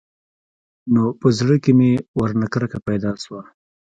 نو په زړه کښې مې ورنه کرکه پيدا سوه.